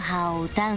「歌う」。